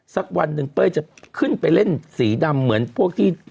สักวันหนึ่งเป้ยจะขึ้นไปเล่นสีดำเหมือนพวกที่